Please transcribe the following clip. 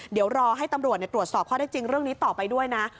เดี๋ยวรอให้ตำรวจตรวจสอบข้อได้จริงเรื่องนี้ต่อไปด้วยนะ